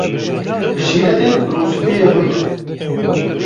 Şîretên Rûspiyê Gund